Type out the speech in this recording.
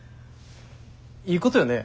いいことよね。